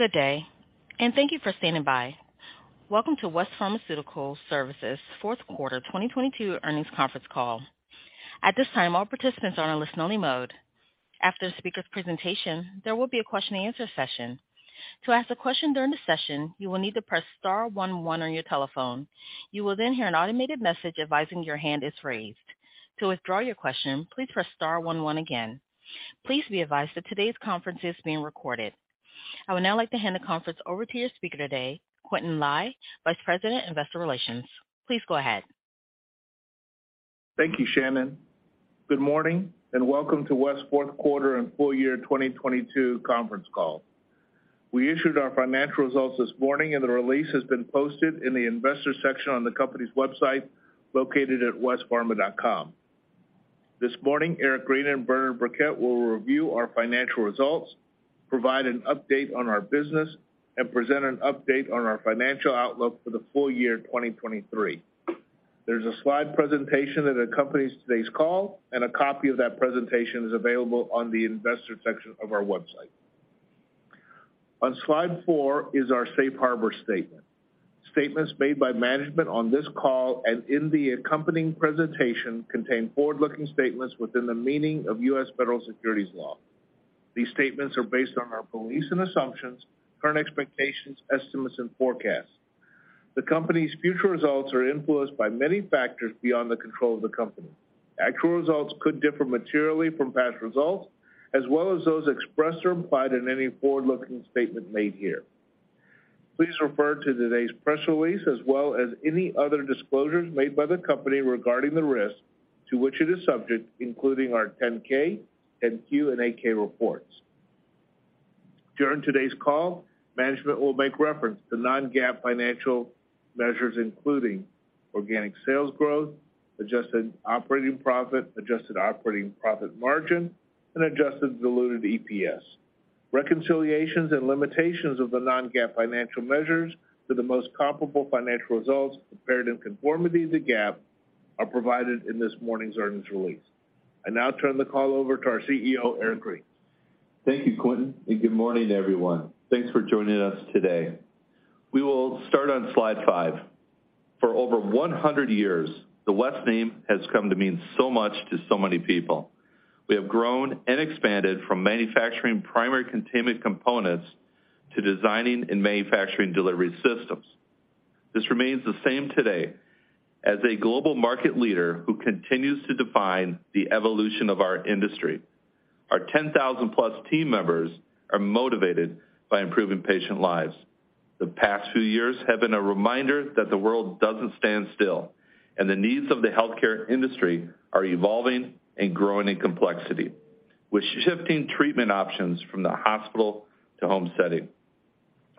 Good day, and thank you for standing by. Welcome to West Pharmaceutical Services' fourth quarter 2022 earnings conference call. At this time, all participants are in listen-only mode. After the speaker's presentation, there will be a question and answer session. To ask a question during the session, you will need to press star 11 on your telephone. You will then hear an automated message advising your hand is raised. To withdraw your question, please press star 11 again. Please be advised that today's conference is being recorded. I would now like to hand the conference over to your speaker today, Quintin Lai, Vice President, Investor Relations. Please go ahead. Thank you, Shannon. Good morning. Welcome to West 4th quarter and full year 2022 conference call. We issued our financial results this morning. The release has been posted in the investor section on the company's website, located at westpharma.com. This morning, Eric Green and Bernard Birkett will review our financial results, provide an update on our business, and present an update on our financial outlook for the full year 2023. There is a slide presentation that accompanies today's call. A copy of that presentation is available on the investor section of our website. On slide 4 is our safe harbor statement. Statements made by management on this call and in the accompanying presentation contain forward-looking statements within the meaning of U.S. federal securities law. These statements are based on our beliefs and assumptions, current expectations, estimates, and forecasts. The company's future results are influenced by many factors beyond the control of the company. Actual results could differ materially from past results as well as those expressed or implied in any forward-looking statement made here. Please refer to today's press release as well as any other disclosures made by the company regarding the risks to which it is subject, including our 10-K, 10-Q, and 8-K reports. During today's call, management will make reference to non-GAAP financial measures, including organic sales growth, adjusted operating profit, adjusted operating profit margin, and adjusted diluted EPS. Reconciliations and limitations of the non-GAAP financial measures to the most comparable financial results compared in conformity to GAAP are provided in this morning's earnings release. I now turn the call over to our CEO, Eric Green. Thank you, Quintin, and good morning, everyone. Thanks for joining us today. We will start on slide five. For over 100 years, the West name has come to mean so much to so many people. We have grown and expanded from manufacturing primary containment components to designing and manufacturing delivery systems. This remains the same today as a global market leader who continues to define the evolution of our industry. Our 10,000 plus team members are motivated by improving patient lives. The past few years have been a reminder that the world doesn't stand still, and the needs of the healthcare industry are evolving and growing in complexity. With shifting treatment options from the hospital to home setting,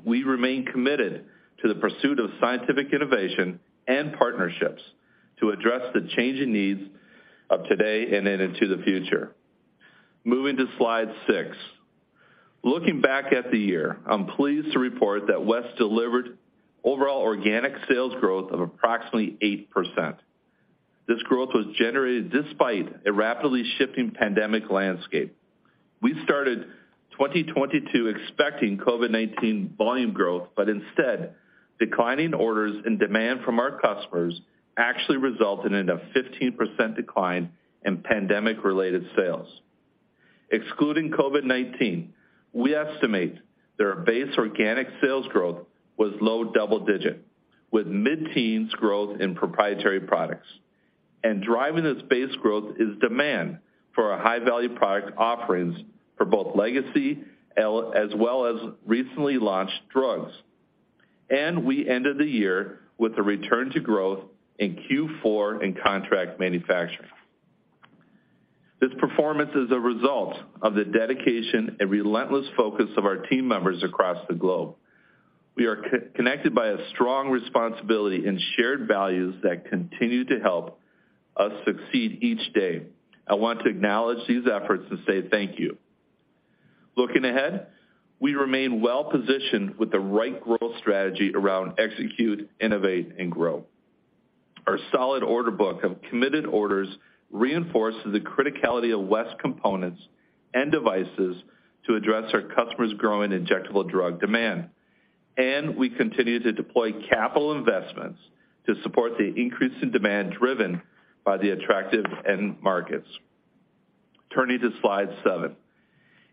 we remain committed to the pursuit of scientific innovation and partnerships to address the changing needs of today and then into the future. Moving to slide six. Looking back at the year, I'm pleased to report that West delivered overall organic sales growth of approximately 8%. This growth was generated despite a rapidly shifting pandemic landscape. We started 2022 expecting COVID-19 volume growth. Instead, declining orders and demand from our customers actually resulted in a 15% decline in pandemic-related sales. Excluding COVID-19, we estimate that our base organic sales growth was low double digit, with mid-teens growth in proprietary products. Driving this base growth is demand for our high-value product offerings for both legacy as well as recently launched drugs. We ended the year with a return to growth in Q4 in contract manufacturing. This performance is a result of the dedication and relentless focus of our team members across the globe. We are connected by a strong responsibility and shared values that continue to help us succeed each day. I want to acknowledge these efforts and say thank you. Looking ahead, we remain well-positioned with the right growth strategy around execute, innovate, and grow. Our solid order book of committed orders reinforces the criticality of West components and devices to address our customers' growing injectable drug demand. And we continue to deploy capital investments to support the increase in demand driven by the attractive end markets. Turning to slide 7.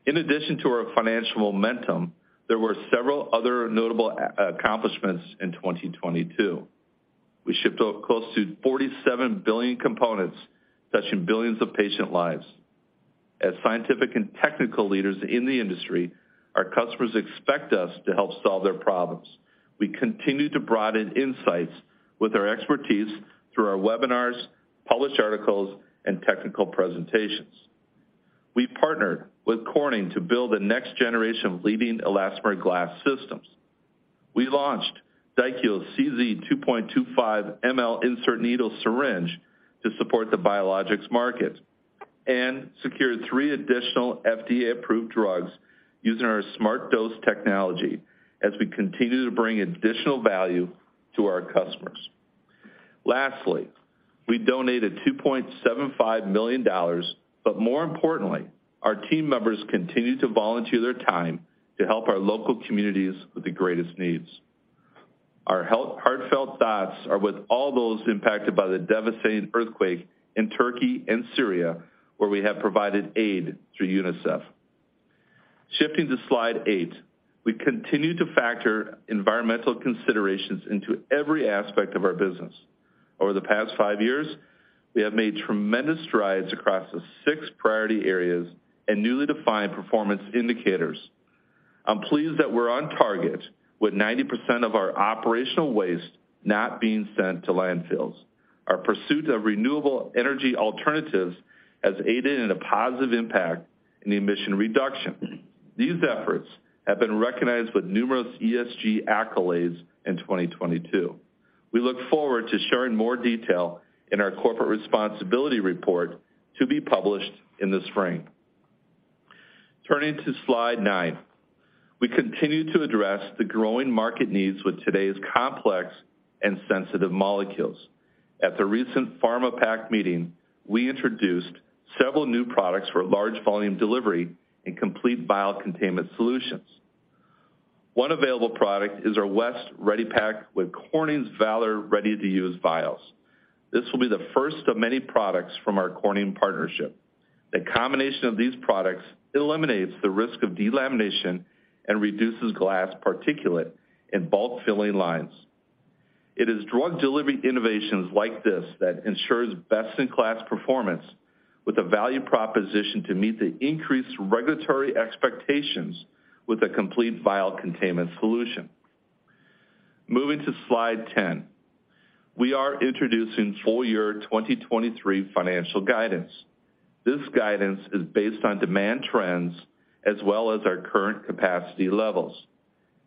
In addition to our financial momentum, there were several other notable accomplishments in 2022. We shipped close to 47 billion components, touching billions of patient lives. As scientific and technical leaders in the industry, our customers expect us to help solve their problems. We continue to broaden insights with our expertise through our webinars, published articles, and technical presentations. We partnered with Corning to build the next generation of leading elastomer glass systems. We launched Daikyo's CZ 2.25mL Insert Needle Syringe to support the biologics market and secured three additional FDA-approved drugs using our SmartDose technology as we continue to bring additional value to our customers. Lastly, we donated $2.75 million, but more importantly, our team members continue to volunteer their time to help our local communities with the greatest needs. Our heartfelt thoughts are with all those impacted by the devastating earthquake in Turkey and Syria, where we have provided aid through UNICEF. Shifting to slide 8. We continue to factor environmental considerations into every aspect of our business. Over the past five years, we have made tremendous strides across the six priority areas and newly defined performance indicators. I'm pleased that we are on target with 90% of our operational waste not being sent to landfills. Our pursuit of renewable energy alternatives has aided in a positive impact in the emission reduction. These efforts have been recognized with numerous ESG accolades in 2022. We look forward to sharing more detail in our corporate responsibility report to be published in the spring. Turning to slide nine. We continue to address the growing market needs with today's complex and sensitive molecules. At the recent Pharmapack meeting, we introduced several new products for large volume delivery and complete vial containment solutions. One available product is our West ReadyPak with Corning's Valor ready-to-use vials. This will be the first of many products from our Corning partnership. The combination of these products eliminates the risk of delamination and reduces glass particulate in bulk filling lines. It is drug delivery innovations like this that ensures best-in-class performance with a value proposition to meet the increased regulatory expectations with a complete vial containment solution. Moving to slide 10. We are introducing full-year 2023 financial guidance. This guidance is based on demand trends as well as our current capacity levels.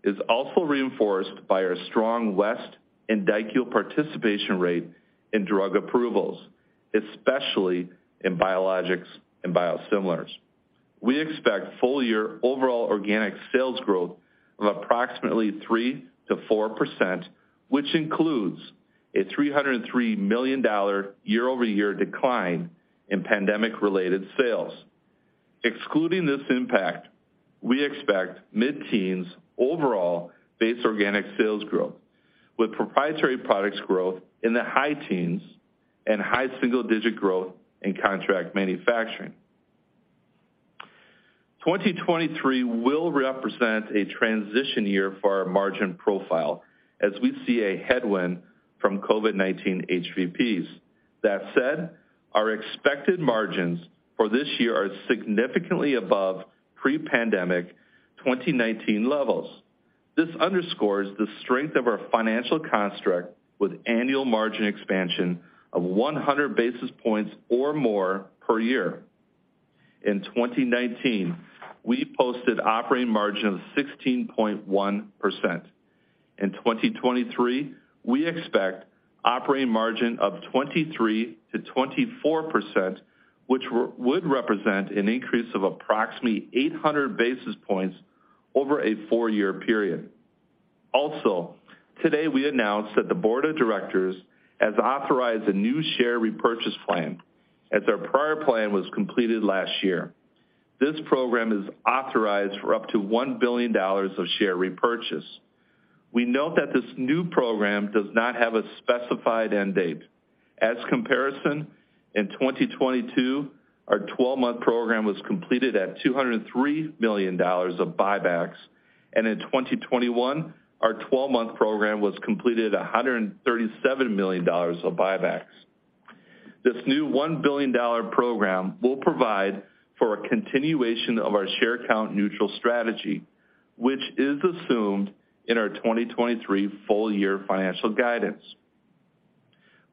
It's also reinforced by our strong West and Daikyo participation rate in drug approvals, especially in biologics and biosimilars. We expect full-year overall organic sales growth of approximately 3%-4%, which includes a $303 million year-over-year decline in pandemic-related sales. Excluding this impact, we expect mid-teens overall base organic sales growth, with proprietary products growth in the high teens and high single-digit growth in contract manufacturing. 2023 will represent a transition year for our margin profile as we see a headwind from COVID-19 HVPs. That said, our expected margins for this year are significantly above pre-pandemic 2019 levels. This underscores the strength of our financial construct with annual margin expansion of 100 basis points or more per year. In 2019, we posted operating margin of 16.1%. In 2023, we expect operating margin of 23%-24%, which would represent an increase of approximately 800 basis points over a four-year period. Today we announced that the board of directors has authorized a new share repurchase plan as our prior plan was completed last year. This program is authorized for up to $1 billion of share repurchase. We note that this new program does not have a specified end date. As comparison, in 2022, our 12-month program was completed at $203 million of buybacks. In 2021, our 12-month program was completed at $137 million of buybacks. This new $1 billion program will provide for a continuation of our share count neutral strategy, which is assumed in our 2023 full year financial guidance.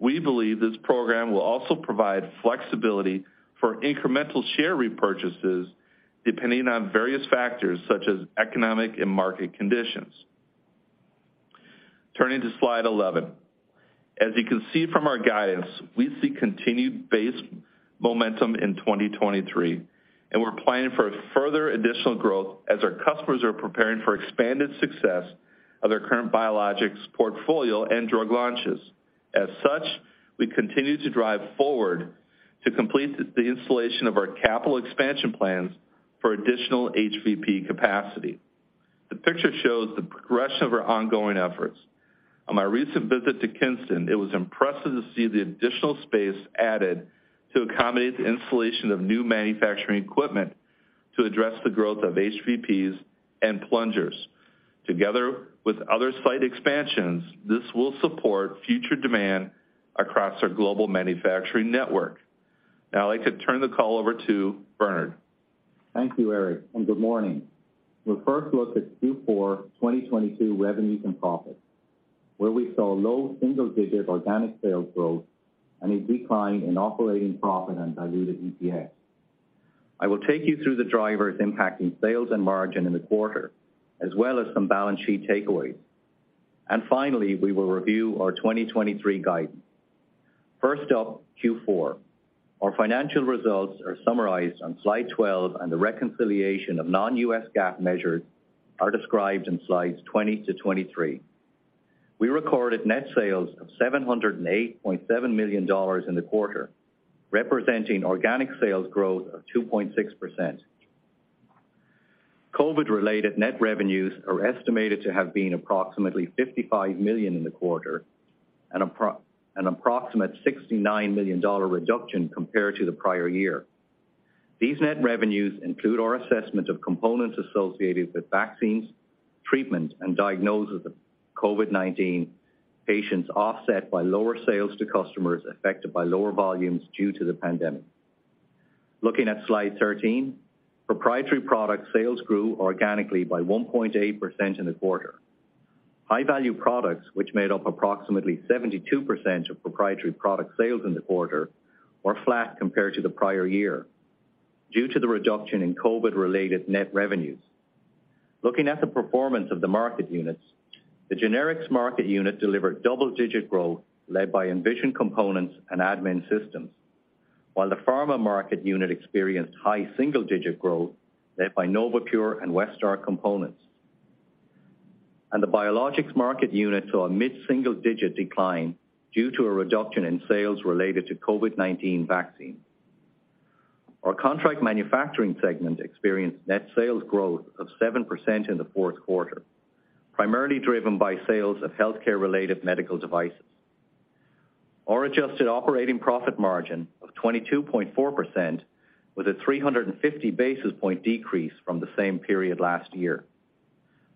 We believe this program will also provide flexibility for incremental share repurchases, depending on various factors such as economic and market conditions. Turning to slide 11. As you can see from our guidance, we see continued base momentum in 2023. We're planning for further additional growth as our customers are preparing for expanded success of their current biologics portfolio and drug launches. As such, we continue to drive forward to complete the installation of our capital expansion plans for additional HVP capacity. The picture shows the progression of our ongoing efforts. On my recent visit to Kinston, it was impressive to see the additional space added to accommodate the installation of new manufacturing equipment to address the growth of HVPs and plungers. Together with other site expansions, this will support future demand across our global manufacturing network. I'd like to turn the call over to Bernard. Thank you, Eric, and good morning. We will first look at Q4 2022 revenues and profits, where we saw low single-digit organic sales growth and a decline in operating profit and diluted EPS. I will take you through the drivers impacting sales and margin in the quarter, as well as some balance sheet takeaways. And finally, we will review our 2023 guidance. First up, Q4. Our financial results are summarized on slide 12 and the reconciliation of non-GAAP measures are described in slides 20-23. We recorded net sales of $708.7 million in the quarter, representing organic sales growth of 2.6%. COVID-related net revenues are estimated to have been approximately $55 million in the quarter, an approximate $69 million reduction compared to the prior year. These net revenues include our assessment of components associated with vaccines, treatment, and diagnosis of COVID-19 patients offset by lower sales to customers affected by lower volumes due to the pandemic. Looking at slide 13, proprietary product sales grew organically by 1.8% in the quarter. High-Value Products, which made up approximately 72% of proprietary product sales in the quarter, were flat compared to the prior year due to the reduction in COVID-related net revenues. Looking at the performance of the market units, the generics market unit delivered double-digit growth led by Envision components and Admin Systems, while the pharma market unit experienced high single-digit growth led by NovaPure and Westar components. The biologics market unit saw a mid-single digit decline due to a reduction in sales related to COVID-19 vaccine. Our contract manufacturing segment experienced net sales growth of 7% in the fourth quarter, primarily driven by sales of healthcare-related medical devices. Our adjusted operating profit margin of 22.4% was a 350 basis point decrease from the same period last year.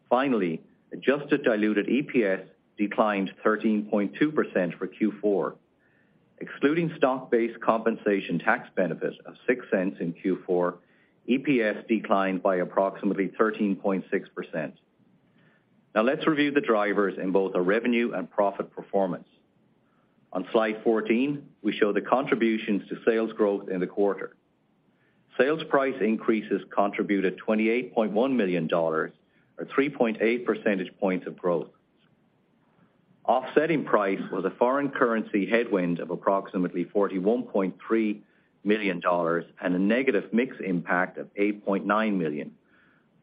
Finally, adjusted diluted EPS declined 13.2% for Q4. Excluding stock-based compensation tax benefit of $0.06 in Q4, EPS declined by approximately 13.6%. Let's review the drivers in both our revenue and profit performance. On slide 14, we show the contributions to sales growth in the quarter. Sales price increases contributed $28.1 million or 3.8 percentage points of growth. Offsetting price was a foreign currency headwind of approximately $41.3 million and a negative mix impact of $8.9 million,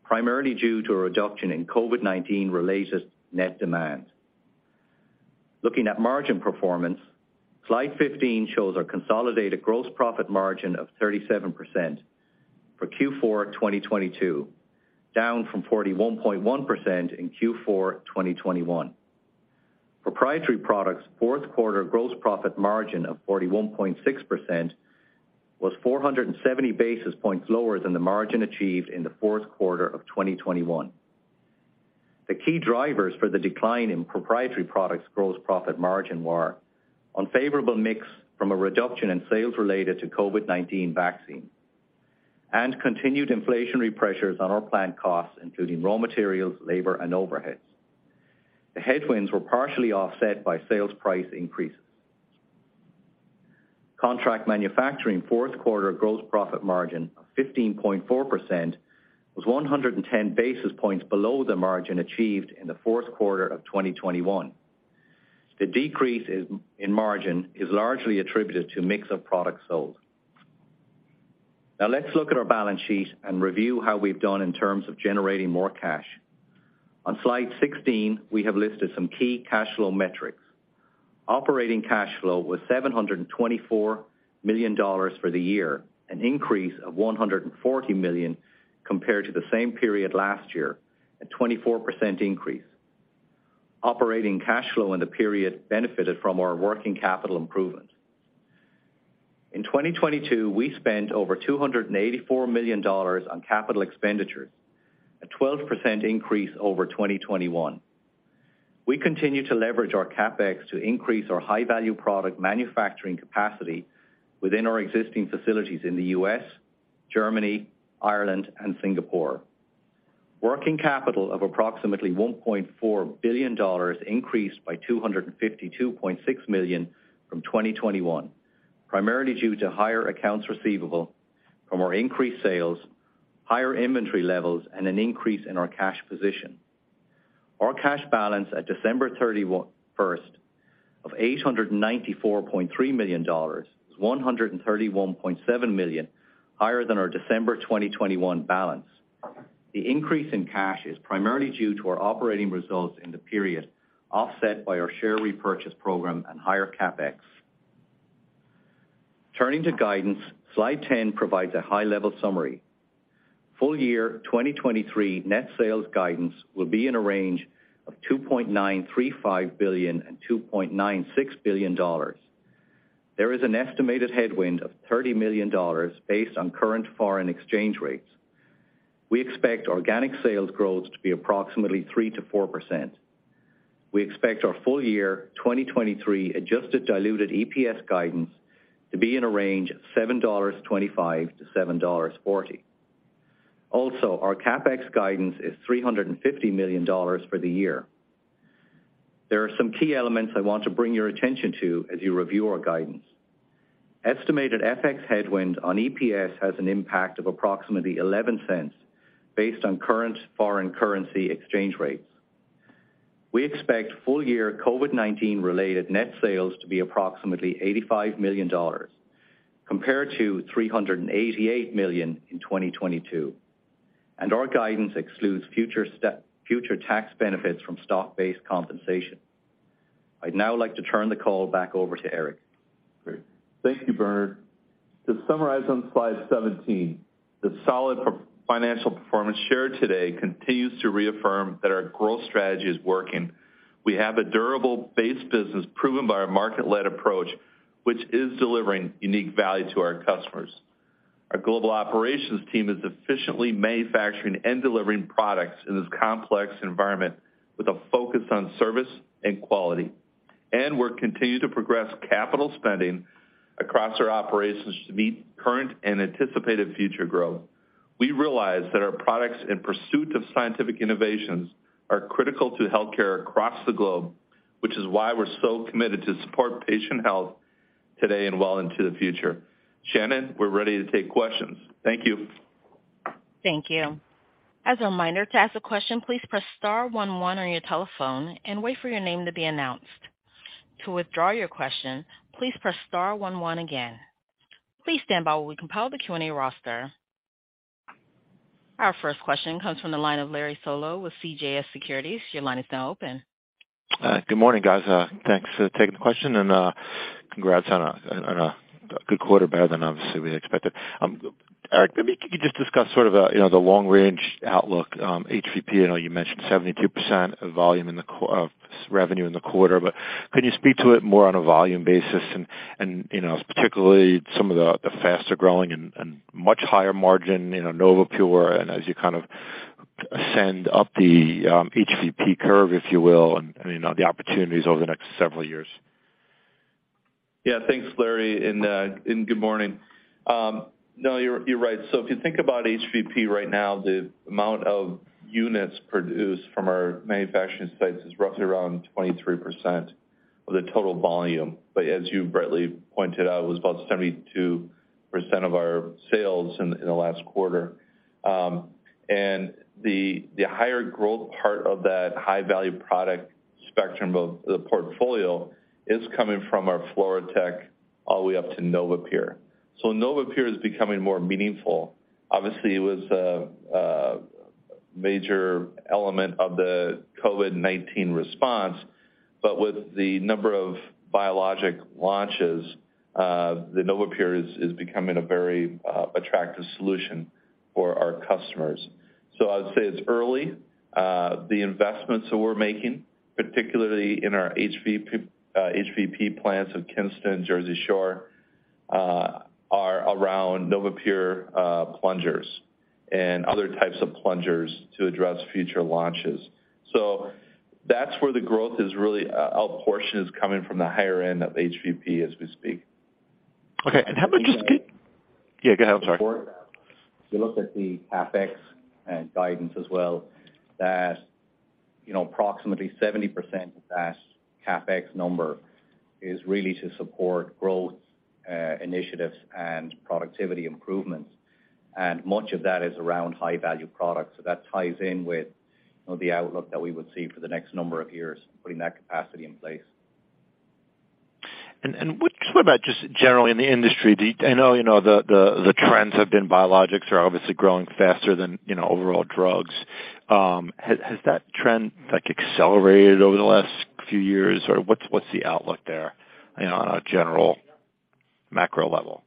primarily due to a reduction in COVID-19 related net demand. Looking at margin performance, slide 15 shows our consolidated gross profit margin of 37% for Q4 2022, down from 41.1% in Q4 2021. Proprietary products' fourth quarter gross profit margin of 41.6% was 470 basis points lower than the margin achieved in the fourth quarter of 2021. The key drivers for the decline in proprietary products' gross profit margin were unfavorable mix from a reduction in sales related to COVID-19 vaccine and continued inflationary pressures on our plant costs, including raw materials, labor, and overheads. The headwinds were partially offset by sales price increases. Contract manufacturing fourth quarter gross profit margin of 15.4% was 110 basis points below the margin achieved in the fourth quarter of 2021. The decrease in margin is largely attributed to mix of products sold. Let's look at our balance sheet and review how we've done in terms of generating more cash. On slide 16, we have listed some key cash flow metrics. Operating cash flow was $724 million for the year, an increase of $140 million compared to the same period last year, a 24% increase. Operating cash flow in the period benefited from our working capital improvement. In 2022, we spent over $284 million on capital expenditures, a 12% increase over 2021. We continue to leverage our CapEx to increase our High-Value Product manufacturing capacity within our existing facilities in the U.S., Germany, Ireland, and Singapore. Working capital of approximately $1.4 billion increased by $252.6 Million from 2021, primarily due to higher accounts receivable from our increased sales, higher inventory levels, and an increase in our cash position. Our cash balance at December 31st of $894.3 million was $131.7 million higher than our December 2021 balance. The increase in cash is primarily due to our operating results in the period, offset by our share repurchase program and higher CapEx. Turning to guidance, slide 10 provides a high-level summary. full year 2023 net sales guidance will be in a range of $2.935 billion and $2.96 billion. There is an estimated headwind of $30 million based on current foreign exchange rates. We expect organic sales growth to be approximately 3%-4%. We expect our full year 2023 adjusted diluted EPS guidance to be in a range of $7.25-$7.40. Our CapEx guidance is $350 million for the year. There are some key elements I want to bring your attention to as you review our guidance. Estimated FX headwind on EPS has an impact of approximately $0.11 based on current foreign currency exchange rates. We expect full year COVID-19 related net sales to be approximately $85 million compared to $388 million in 2022. Our guidance excludes future tax benefits from stock-based compensation. I'd now like to turn the call back over to Eric. Great. Thank you, Bernard. To summarize on slide 17, the solid per-financial performance shared today continues to reaffirm that our growth strategy is working. We have a durable base business proven by our market-led approach, which is delivering unique value to our customers. Our global operations team is efficiently manufacturing and delivering products in this complex environment with a focus on service and quality. We're continuing to progress capital spending across our operations to meet current and anticipated future growth. We realize that our products in pursuit of scientific innovations are critical to healthcare across the globe, which is why we're so committed to support patient health today and well into the future. Shannon, we are ready to take questions. Thank you. Thank you. As a reminder, to ask a question, please press star 1 1 on your telephone and wait for your name to be announced. To withdraw your question, please press star 1 1 again. Please stand by while we compile the Q&A roster. Our first question comes from the line of Larry Solow with CJS Securities. Your line is now open. Good morning, guys. Thanks for taking the question and congrats on a good quarter, better than obviously we expected. Eric, maybe can you just discuss sort of, you know, the long-range outlook, HVP? I know you mentioned 72% of volume in the quarter, but could you speak to it more on a volume basis and, you know, particularly some of the faster-growing and much higher margin, you know, NovaPure, and as you kind of ascend up the HVP curve, if you will, I mean, the opportunities over the next several years? Yeah. Thanks, Larry. Good morning. No, you are right. If you think about HVP right now, the amount of units produced from our manufacturing sites is roughly around 23% of the total volume. As you rightly pointed out, it was about 72% of our sales in the last quarter. And the higher growth part of that high-value product spectrum of the portfolio is coming from our FluroTec all the way up to NovaPure. NovaPure is becoming more meaningful. Obviously, it was a major element of the COVID-19 response. With the number of biologic launches, the NovaPure is becoming a very attractive solution for our customers. I would say it's early. The investments that we're making, particularly in our HVP plants at Kinston and Jersey Shore, are around NovaPure plungers and other types of plungers to address future launches. That's where the growth is really, a portion is coming from the higher end of HVP as we speak. Okay. And if you look- Yeah, go ahead. I'm sorry.... before. If you look at the CapEx and guidance as well, that, you know, approximately 70% of that CapEx number is really to support growth, initiatives and productivity improvements. Much of that is around High-Value Products. That ties in with, you know, the outlook that we would see for the next number of years, putting that capacity in place. What about just generally in the industry? I know, you know, the trends have been biologics are obviously growing faster than, you know, overall drugs. Has that trend, like, accelerated over the last few years? Or what's the outlook there, you know, on a general macro level?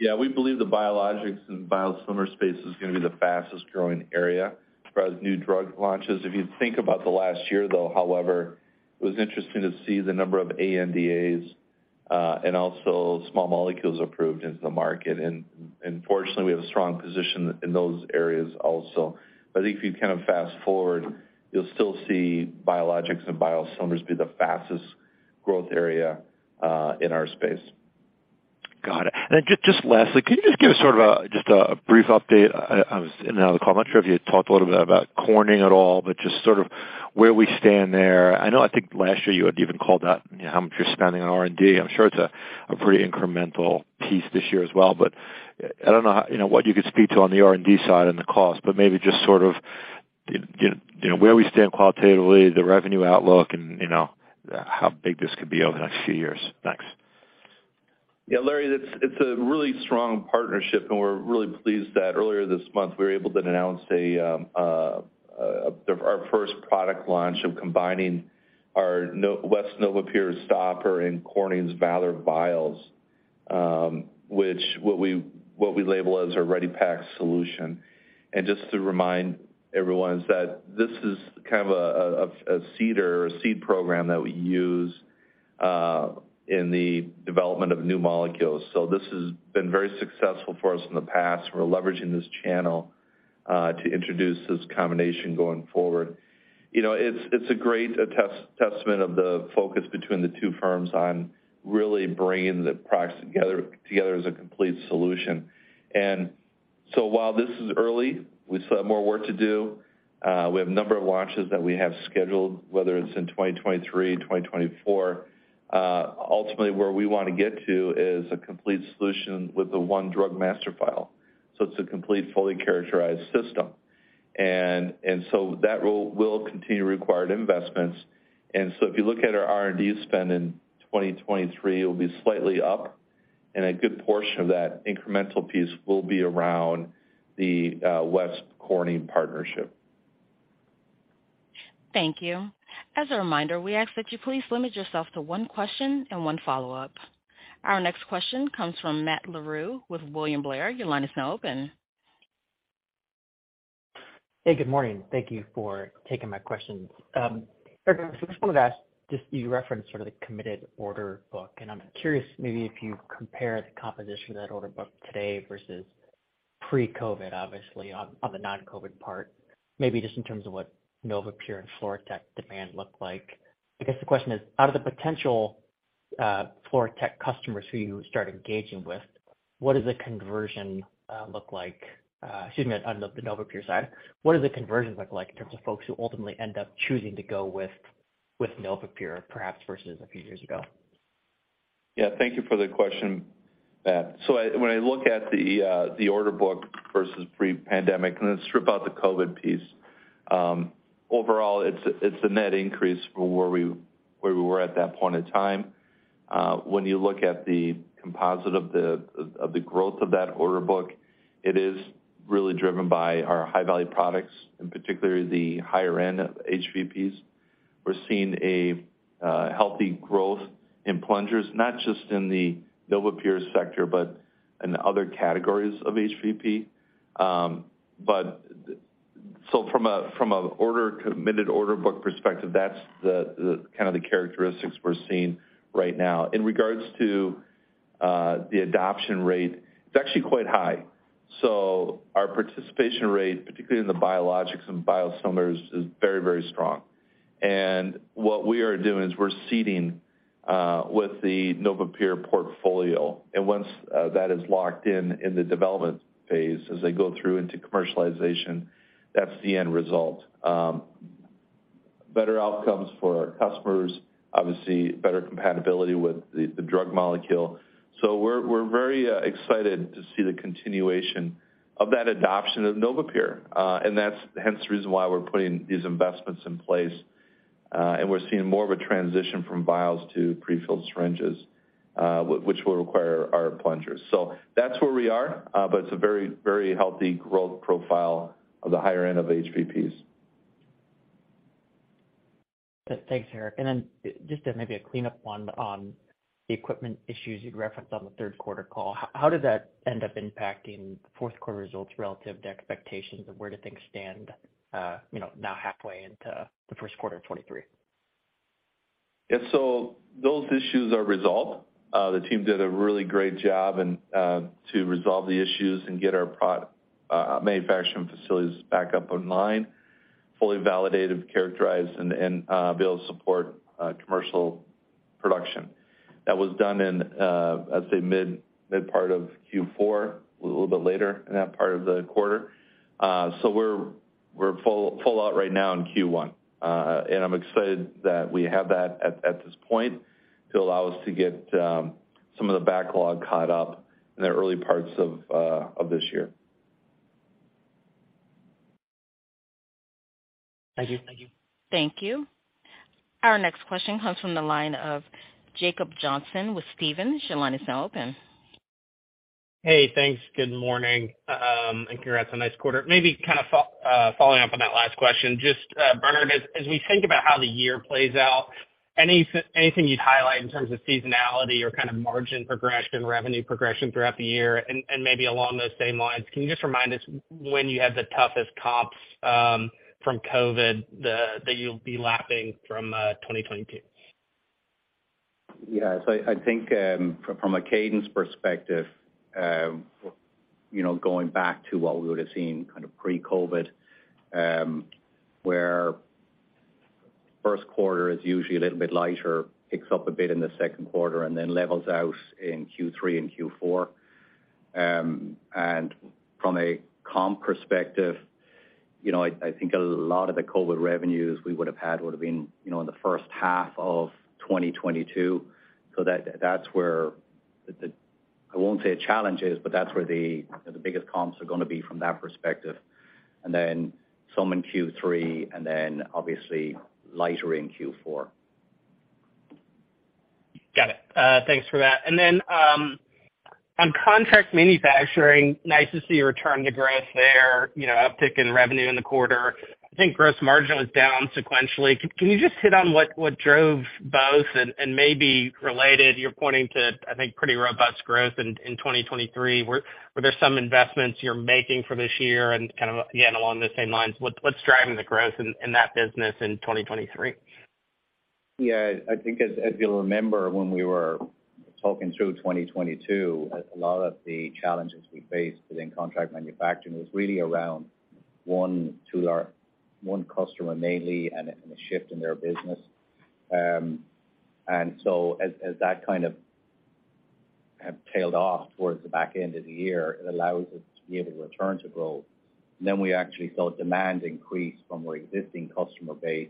Yeah. We believe the biologics and biosimilar space is gonna be the fastest-growing area as far as new drug launches. If you think about the last year though, however, it was interesting to see the number of ANDAs and also small molecules approved into the market. Fortunately, we have a strong position in those areas also. I think if you kind of fast-forward, you will still see biologics and biosimilars be the fastest growth area in our space. Got it. Then just lastly, can you just give sort of a, just a brief update? I was in another call. I'm not sure if you had talked a little bit about Corning at all, but just sort of where we stand there. I know I think last year you had even called out, you know, how much you are spending on R&D. I'm sure it's a pretty incremental piece this year as well. I don't know how, you know, what you could speak to on the R&D side and the cost, but maybe just sort of, you know, where we stand qualitatively, the revenue outlook and, you know, how big this could be over the next few years. Thanks. Yeah, Larry, it's a really strong partnership, and we are really pleased that earlier this month we were able to announce our first product launch of combining our West NovaPure stopper and Corning's Valor vials, which what we label as our ReadyPak solution. Just to remind everyone is that this is kind of a seeder or seed program that we use in the development of new molecules. This has been very successful for us in the past. We are leveraging this channel to introduce this combination going forward. You know, it's a great testament of the focus between the two firms on really bringing the products together as a complete solution. And so while this is early, we still have more work to do. We have a number of launches that we have scheduled, whether it's in 2023, 2024. Ultimately, where we want to get to is a complete solution with the 1 Drug Master File. So it's a complete, fully characterized system. That will continue to require investments. And so if you look at our R&D spend in 2023, it will be slightly up, and a good portion of that incremental piece will be around the West Corning partnership. Thank you. As a reminder, we ask that you please limit yourself to one question and one follow-up. Our next question comes from Matthew Larew with William Blair. Your line is now open. Hey, good morning. Thank you for taking my questions. First I wanted to ask, just you referenced sort of the committed order book, and I'm curious maybe if you compare the composition of that order book today versus pre-COVID obviously on the non-COVID part, maybe just in terms of what NovaPure and FluroTec demand looked like. I guess the question is, out of the potential FluroTec customers who you start engaging with, what does the conversion, excuse me, on the NovaPure side, what does the conversions look like in terms of folks who ultimately end up choosing to go with NovaPure perhaps versus a few years ago? Yeah. Thank you for the question, Matt. When I look at the order book versus pre-pandemic, and then strip out the COVID piece, overall it's a net increase from where we were at that point in time. When you look at the composite of the growth of that order book, it is really driven by our High-Value Products, in particular the higher end of HVPs. We are seeing a healthy growth in plungers, not just in the NovaPure sector, but in other categories of HVP. But from a committed order book perspective, that's the kind of the characteristics we're seeing right now. In regards to the adoption rate, it's actually quite high. Our participation rate, particularly in the biologics and biosimilars, is very strong. What we are doing is we're seeding with the NovaPure portfolio. Once that is locked in in the development phase, as they go through into commercialization, that's the end result. Better outcomes for our customers, obviously better compatibility with the drug molecule. We're very excited to see the continuation of that adoption of NovaPure. And that's hence the reason why we're putting these investments in place. And we are seeing more of a transition from vials to pre-filled syringes, which will require our plungers. That's where we are, but it's a very, very healthy growth profile of the higher end of HVPs. Thanks, Eric. Then just maybe a cleanup one on the equipment issues you'd referenced on the third quarter call. How did that end up impacting fourth quarter results relative to expectations? Where do things stand, you know, now halfway into the first quarter of 2023? Those issues are resolved. The team did a really great job and to resolve the issues and get our manufacturing facilities back up online, fully validated, characterized and be able to support commercial production. That was done in, I'd say mid part of Q4, a little bit later in that part of the quarter. We are full out right now in Q1. I'm excited that we have that at this point to allow us to get some of the backlog caught up in the early parts of this year. Thank you. Thank you. Our next question comes from the line of Jacob Johnson with Stephens. Your line is now open. Hey, thanks. Good morning, and congrats on nice quarter. Maybe kind of following up on that last question. Just, Bernard, as we think about how the year plays out, anything you'd highlight in terms of seasonality or kind of margin progression, revenue progression throughout the year? Maybe along those same lines, can you just remind us when you had the toughest comps, from COVID-19 that you will be lapping from, 2022? Yeah. I think, from a cadence perspective, you know, going back to what we would have seen kind of pre-COVID, where first quarter is usually a little bit lighter, picks up a bit in the second quarter and then levels out in Q3 and Q4. From a comp perspective, you know, I think a lot of the COVID revenues we would have had would have been, you know, in the first half of 2022. That, that's where the, I won't say a challenge is, but that's where the biggest comps are gonna be from that perspective. Then some in Q3, and then obviously lighter in Q4. Got it. Thanks for that. And then, on contract manufacturing, nice to see a return to growth there, you know, uptick in revenue in the quarter. I think gross margin was down sequentially. Can you just hit on what drove both? Maybe related, you're pointing to, I think, pretty robust growth in 2023. Were there some investments you're making for this year? Kind of, again, along the same lines, what's driving the growth in that business in 2023? Yeah. I think as you'll remember when we were talking through 2022, a lot of the challenges we faced within contract manufacturing was really around one customer mainly and a shift in their business. As that kind of have tailed off towards the back end of the year, it allows us to be able to return to growth. We actually saw demand increase from our existing customer base.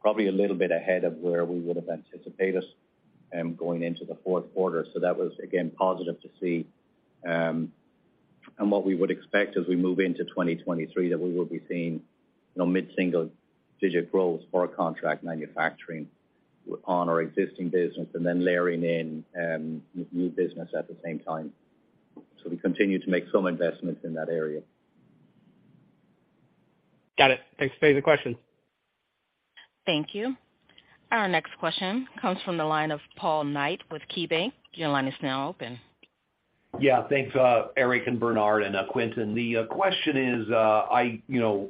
Probably a little bit ahead of where we would have anticipated, going into the fourth quarter. That was again, positive to see. What we would expect as we move into 2023, that we will be seeing, you know, mid-single-digit growth for our contract manufacturing on our existing business and then layering in, new business at the same time. We continue to make some investments in that area. Got it. Thanks for taking the question. Thank you. Our next question comes from the line of Paul Knight with KeyBanc. Your line is now open. Thanks, Eric and Bernard and Quintin. The question is, I, you know,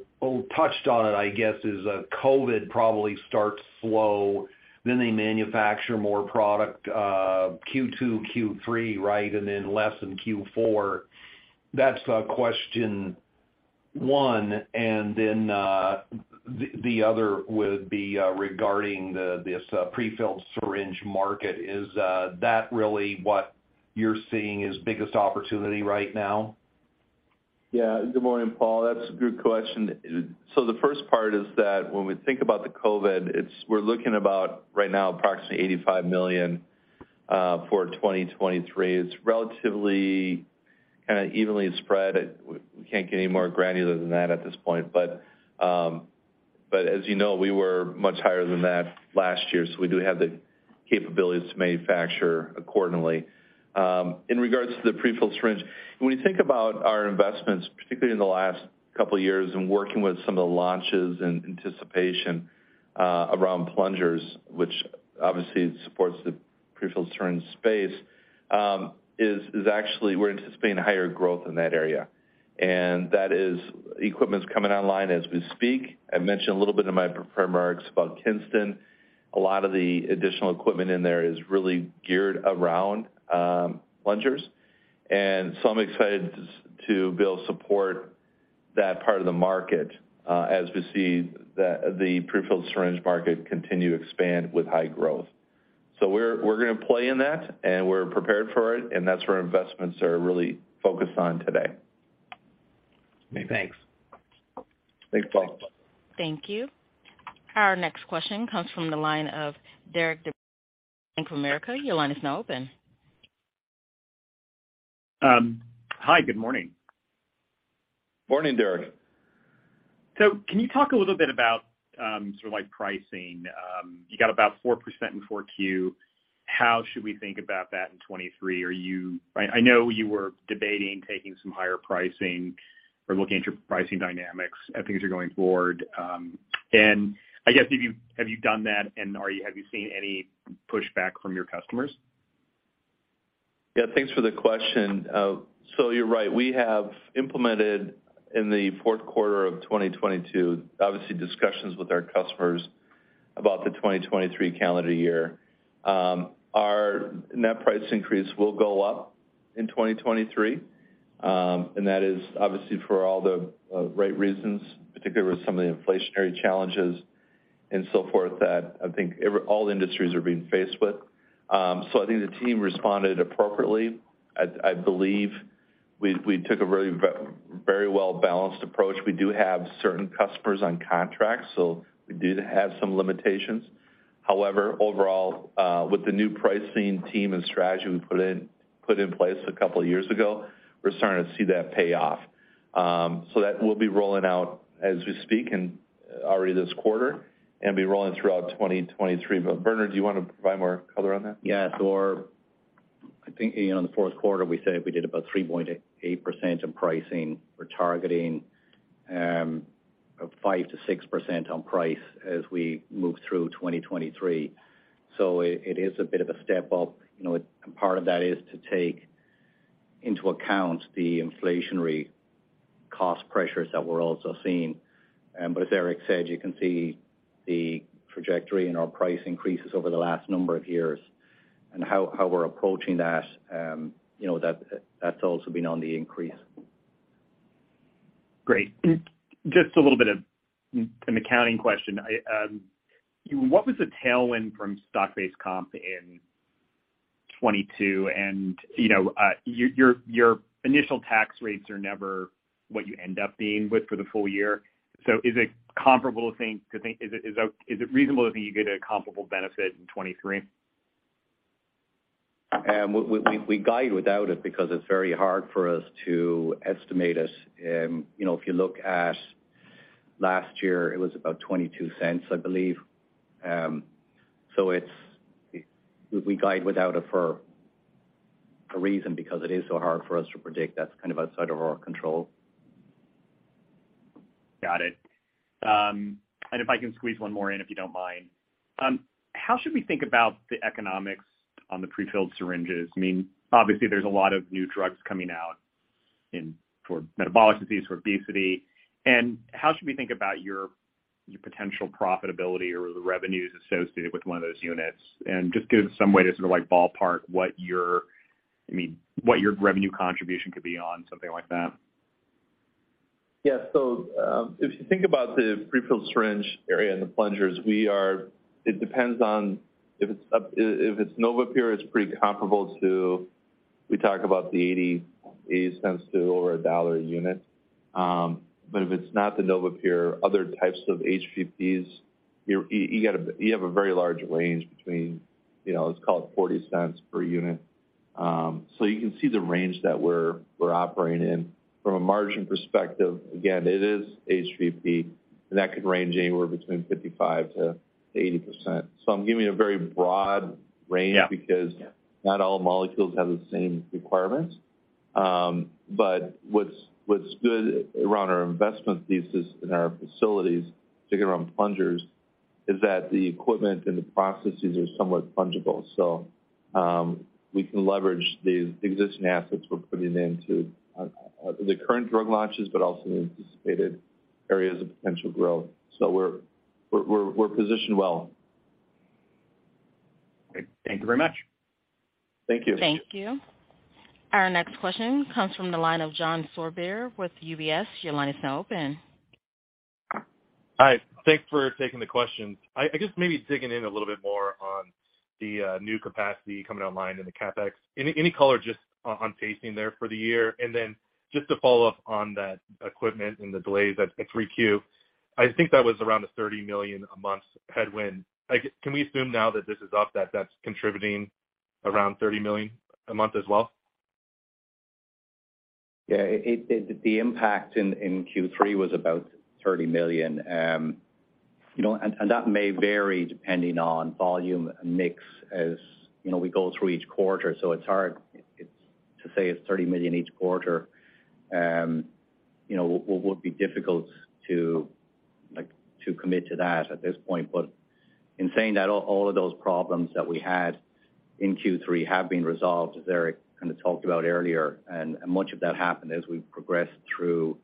touched on it, I guess, is, COVID probably starts slow, then they manufacture more product, Q2, Q3, right? Then less in Q4. That's question one. Then, the other would be regarding this prefilled syringe market. Is that really what you're seeing as biggest opportunity right now? Good morning, Paul. That's a good question. The first part is that when we think about the COVID, it's we're looking about right now approximately $85 million for 2023. It's relatively kinda evenly spread. We can't get any more granular than that at this point. As you know, we were much higher than that last year, we do have the capabilities to manufacture accordingly. In regards to the prefilled syringe, when you think about our investments, particularly in the last couple of years and working with some of the launches and anticipation, around plungers, which obviously supports the prefilled syringe space, is actually we're anticipating higher growth in that area. That is equipment's coming online as we speak. I mentioned a little bit in my remarks about Kinston. A lot of the additional equipment in there is really geared around plungers. I'm excited to build support that part of the market as we see the prefilled syringe market continue to expand with high growth. We are, we're gonna play in that, and we're prepared for it, and that's where investments are really focused on today. Okay, thanks. Thanks, Paul. Thank you. Our next question comes from the line of Derik De Bruin with Bank of America. Hi, good morning. Morning, Derik. Can you talk a little bit about, sort of like pricing? You got about 4% in 4Q. How should we think about that in 2023? I know you were debating taking some higher pricing or looking at your pricing dynamics as things are going forward. I guess have you, have you done that and have you seen any pushback from your customers? Yeah, thanks for the question. You are right. We have implemented in the fourth quarter of 2022, obviously discussions with our customers about the 2023 calendar year. Our net price increase will go up in 2023. That is obviously for all the right reasons, particularly with some of the inflationary challenges and so forth that I think all industries are being faced with. I think the team responded appropriately. I believe we took a very, very well-balanced approach. We do have certain customers on contract, so we do have some limitations. Overall, with the new pricing team and strategy we put in place a couple of years ago, we're starting to see that pay off. That will be rolling out as we speak and already this quarter and be rolling throughout 2023. Bernard, do you want to provide more color on that? Yeah. I think, you know, in the fourth quarter, we said we did about 3.8% in pricing. We're targeting 5%-6% on price as we move through 2023. It is a bit of a step up. You know, part of that is to take into account the inflationary cost pressures that we're also seeing. As Eric said, you can see the trajectory in our price increases over the last number of years and how we're approaching that, you know that's also been on the increase. Great. Just a little bit of an accounting question. I, what was the tailwind from stock-based comp in 2022? You know, your initial tax rates are never what you end up being with for the full year. Is it comparable to think, is it reasonable to think you get a comparable benefit in 2023? We guide without it because it's very hard for us to estimate it. You know, if you look at last year, it was about $0.22, I believe. We guide without it for a reason because it is so hard for us to predict. That's kind of outside of our control. Got it. If I can squeeze one more in, if you don't mind. How should we think about the economics on the prefilled syringes? I mean, obviously there's a lot of new drugs coming out for metabolic disease, for obesity. How should we think about your potential profitability or the revenues associated with one of those units? Just give some way to sort of like ballpark what your, I mean, what your revenue contribution could be on something like that. Yeah. If you think about the prefilled syringe area and the plungers, it depends on if it's NovaPure, it's pretty comparable to We talk about the $0.80 to over $1 a unit. If it's not the NovaPure, other types of HVPs, you have a very large range between, you know, let's call it $0.40 per unit. You can see the range that we're operating in. From a margin perspective, again, it is HVP, and that could range anywhere between 55%-80%. I'm giving you a very broad range. Yeah. Not all molecules have the same requirements. What's good around our investment thesis in our facilities, particularly around plungers, is that the equipment and the processes are somewhat fungible. We can leverage the existing assets we're putting into the current drug launches, but also the anticipated areas of potential growth. We're positioned well. Great. Thank you very much. Thank you. Thank you. Thank you. Our next question comes from the line of John Sourbeer with UBS. Your line is now open. Hi. Thanks for taking the questions. I guess maybe digging in a little bit more on the new capacity coming online in the CapEx. Any color just on pacing there for the year? Just to follow up on that equipment and the delays at 3Q. I think that was around a $30 million a month headwind. Like, can we assume now that this is up, that that's contributing around $30 million a month as well? Yeah. It the impact in Q3 was about $30 million. You know, and that may vary depending on volume mix as, you know, we go through each quarter, so it's hard to say it's $30 million each quarter. You know, what would be difficult to, like, to commit to that at this point. In saying that, all of those problems that we had in Q3 have been resolved, as Eric kind of talked about earlier, and much of that happened as we progressed through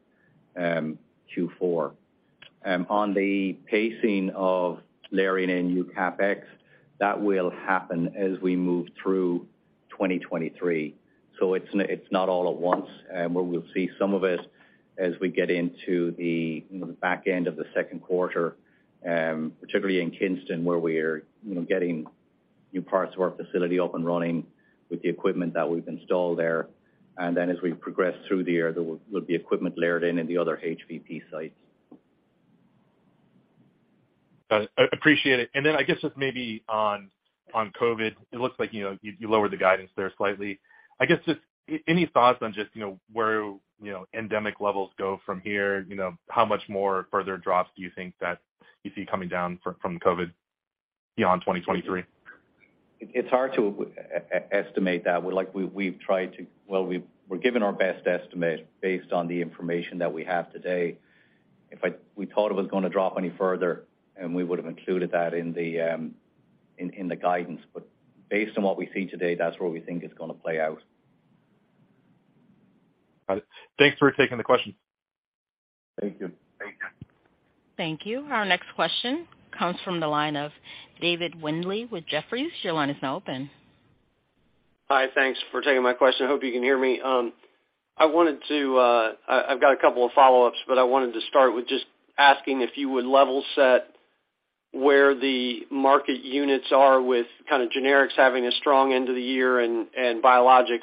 Q4. On the pacing of layering in new CapEx, that will happen as we move through 2023. It's not all at once, where we'll see some of it as we get into the, you know, the back end of the second quarter, particularly in Kinston, where we're, you know, getting new parts of our facility up and running with the equipment that we've installed there. As we progress through the year, there will be equipment layered in the other HVP sites. Got it. Appreciate it. I guess just maybe on COVID, it looks like, you know, you lowered the guidance there slightly. I guess just any thoughts on just, you know, where, you know, endemic levels go from here, you know? How much more further drops do you think that you see coming down from COVID beyond 2023? It's hard to estimate that. We're like, we've tried to. Well, we're giving our best estimate based on the information that we have today. If we thought it was gonna drop any further, and we would've included that in the guidance. Based on what we see today, that's where we think it's gonna play out. Got it. Thanks for taking the question. Thank you. Thank you. Thank you. Our next question comes from the line of David Windley with Jefferies. Your line is now open. Hi. Thanks for taking my question. Hope you can hear me? I've got a couple of follow-ups, but I wanted to start with just asking if you would level set where the market units are with kind of generics having a strong end of the year and biologics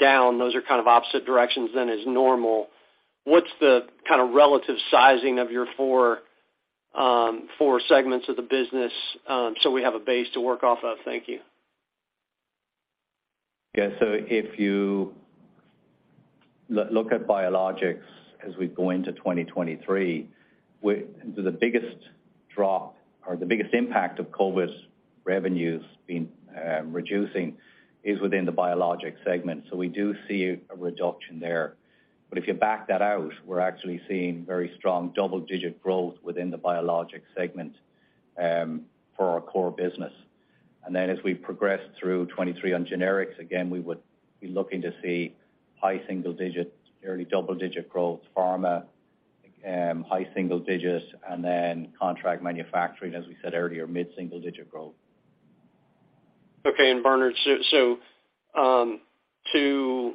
down. Those are kind of opposite directions than is normal. What's the kind of relative sizing of your four segments of the business, so we have a base to work off of? Thank you. Yeah. If you look at biologics as we go into 2023, the biggest drop or the biggest impact of COVID revenues being reducing is within the biologic segment. We do see a reduction there. If you back that out, we're actually seeing very strong double-digit growth within the biologic segment for our core business. As we progress through 2023 on generics, again, we would be looking to see high single digits, early double-digit growth, pharma, high single digits, and then contract manufacturing, as we said earlier, mid-single digit growth. Okay. Bernard, so to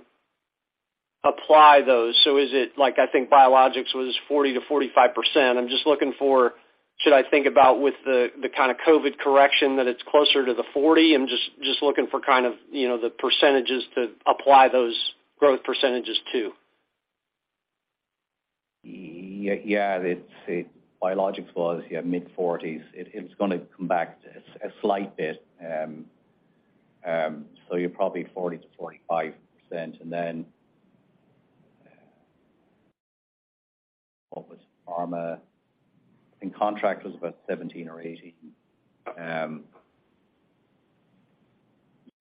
apply those, so is it like, I think biologics was 40%-45%? I'm just looking for should I think about with the kind of COVID correction that it's closer to the 40? I'm just looking for kind of, you know, the percentages to apply those growth percentages to. Yeah, it's Biologics was, yeah, mid-forties. It's gonna come back a slight bit. You're probably at 40% to 45%. What was pharma? I think contract was about 17 or 18.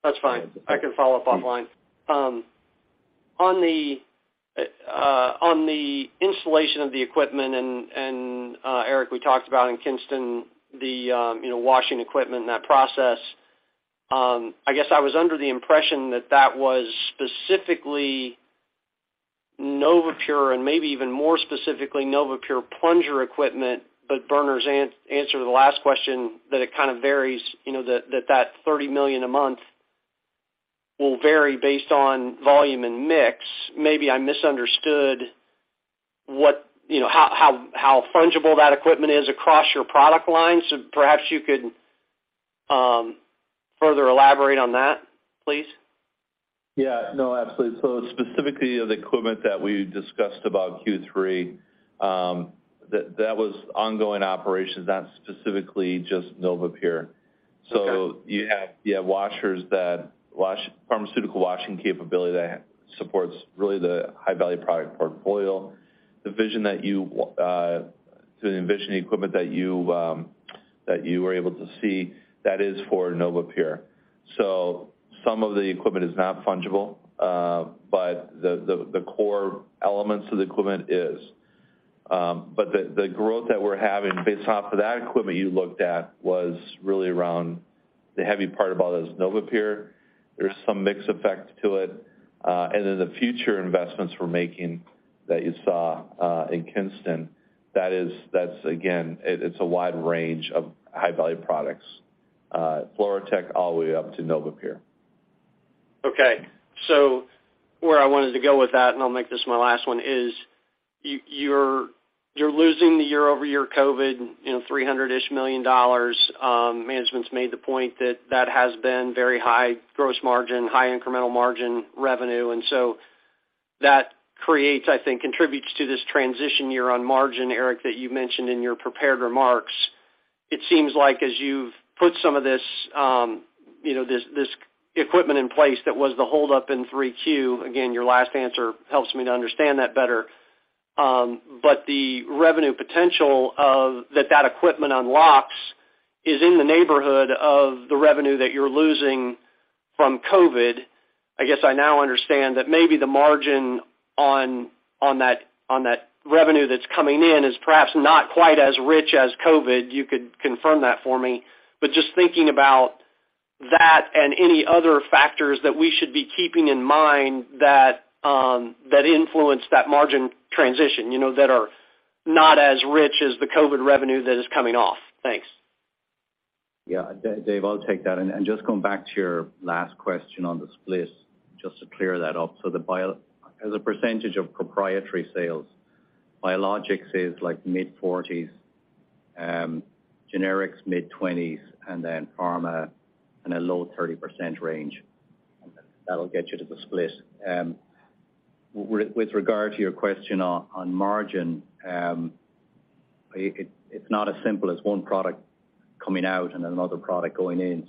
That's fine. I can follow up offline. On the installation of the equipment and Eric, we talked about in Kinston the, you know, washing equipment and that process, I guess I was under the impression that that was specifically NovaPure and maybe even more specifically NovaPure plunger equipment. Bernard's answer to the last question that it kind of varies, you know, that $30 million a month will vary based on volume and mix. Maybe I misunderstood what, you know, how fungible that equipment is across your product line. Perhaps you could further elaborate on that, please. Yeah. No, absolutely. Specifically the equipment that we discussed about Q3, that was ongoing operations, not specifically just NovaPure. Okay. You have washers that wash pharmaceutical washing capability that supports really the High-Value Products portfolio. The Envision equipment that you were able to see, that is for NovaPure. Some of the equipment is not fungible, but the core elements of the equipment is. The growth that we're having based off of that equipment you looked at was really around the heavy part about is NovaPure. There's some mix effect to it. And then the future investments we're making that you saw in Kinston, that's again, it's a wide range of High-Value Products, FluroTec all the way up to NovaPure. Okay. So where I wanted to go with that, and I'll make this my last one, is you're losing the year-over-year COVID, you know, $300 million-ish. Management's made the point that that has been very high gross margin, high incremental margin revenue. That creates, I think, contributes to this transition year on margin, Eric, that you mentioned in your prepared remarks. It seems like as you have put some of this, you know, this equipment in place that was the hold up in 3Q, again, your last answer helps me to understand that better. The revenue potential of that equipment unlocks is in the neighborhood of the revenue that you're losing from COVID. I guess I now understand that maybe the margin on that, on that revenue that's coming in is perhaps not quite as rich as COVID. You could confirm that for me. Just thinking about that and any other factors that we should be keeping in mind that influence that margin transition, you know, that are not as rich as the COVID revenue that is coming off. Thanks. Yeah. Dave, I'll take that. Just going back to your last question on the split, just to clear that up. The bio-- as a percentage of proprietary sales, biologics is like mid-40s, generics, mid-20s, and then pharma in a low 30% range. That'll get you to the split. With regard to your question on margin, it's not as simple as one product coming out and another product going in.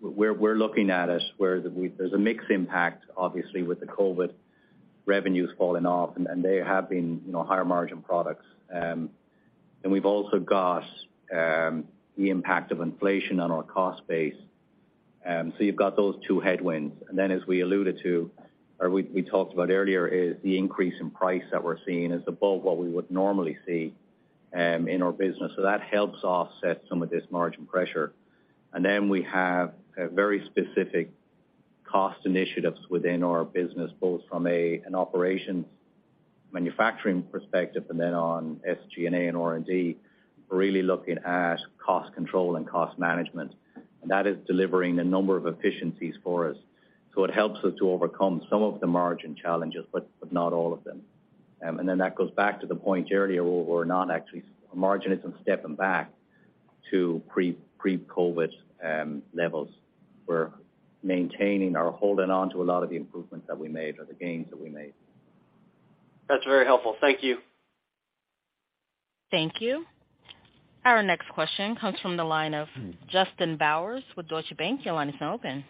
We're looking at it where there's a mixed impact, obviously, with the COVID revenues falling off, and they have been, you know, higher margin products. We've also got the impact of inflation on our cost base. So you have got those two headwinds. As we alluded to, or we talked about earlier, is the increase in price that we're seeing is above what we would normally see in our business. That helps offset some of this margin pressure. We have a very specific cost initiatives within our business, both from an operations manufacturing perspective, and then on SG&A and R&D, really looking at cost control and cost management. That is delivering a number of efficiencies for us. It helps us to overcome some of the margin challenges, but not all of them. That goes back to the point earlier where margin isn't stepping back to pre-COVID levels. We're maintaining or holding on to a lot of the improvements that we made or the gains that we made. That's very helpful. Thank you. Thank you. Our next question comes from the line of Justin Bowers with Deutsche Bank. Your line is now open.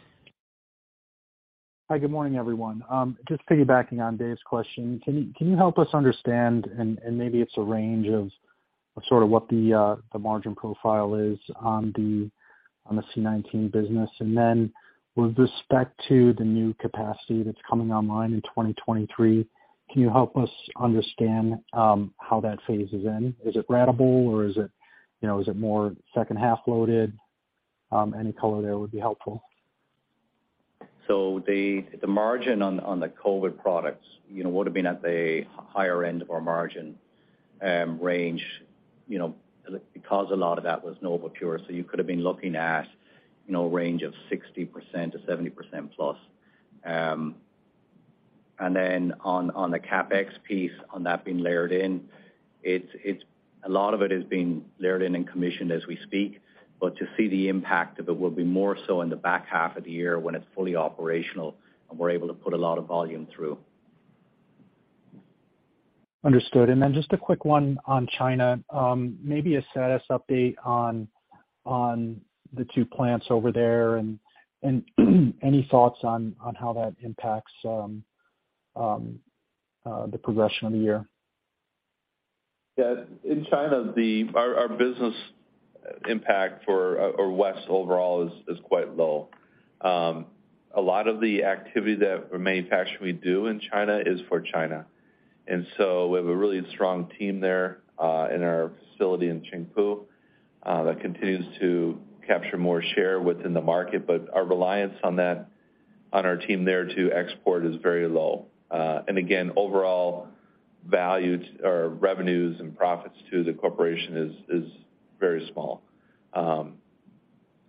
Hi, good morning, everyone. Just piggybacking on David's question, can you, can you help us understand, and maybe it's a range of sort of what the margin profile is on the COVID-19 business? With respect to the new capacity that's coming online in 2023, can you help us understand how that phases in? Is it ratable or is it, you know, is it more second half loaded? Any color there would be helpful. The margin on the COVID products, you know, would have been at the higher end of our margin range, you know, because a lot of that was NovaPure. You could have been looking at, you know, a range of 60%-70%+. On the CapEx piece on that being layered in, a lot of it is being layered in and commissioned as we speak. To see the impact of it will be more so in the back half of the year when it's fully operational and we're able to put a lot of volume through. Understood. Then just a quick one on China. Maybe a status update on the two plants over there and any thoughts on how that impacts the progression of the year? In China, our business impact for, or West overall is quite low. A lot of the activity that we manufacture we do in China is for China. We have a really strong team there, in our facility in Qingpu, that continues to capture more share within the market. Our reliance on that, on our team there to export is very low. Again, overall value or revenues and profits to the corporation is very small.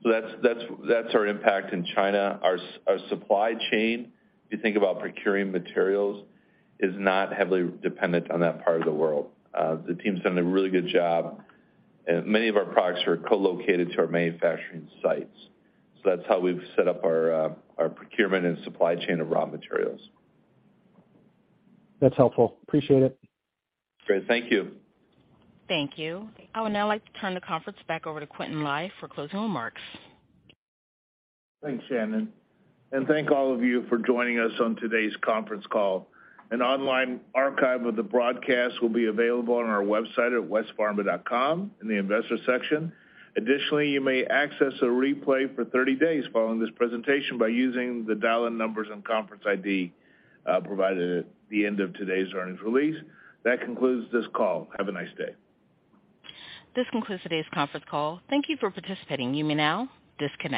That's our impact in China. Our supply chain, if you think about procuring materials, is not heavily dependent on that part of the world. The team's done a really good job. Many of our products are co-located to our manufacturing sites. That's how we have set up our procurement and supply chain of raw materials. That's helpful. Appreciate it. Great. Thank you. Thank you. I would now like to turn the conference back over to Quintin Lai for closing remarks. Thanks, Shannon. Thank all of you for joining us on today's conference call. An online archive of the broadcast will be available on our website at westpharma.com in the Investor section. Additionally, you may access a replay for 30 days following this presentation by using the dial-in numbers and conference ID provided at the end of today's earnings release. That concludes this call. Have a nice day. This concludes today's conference call. Thank you for participating. You may now disconnect.